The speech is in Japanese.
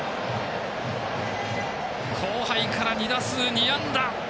後輩から２打数２安打。